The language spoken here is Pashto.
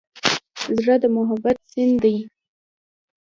زړه د محبت سیند دی.